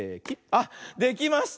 あっできました。